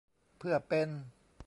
เพื่อเป็น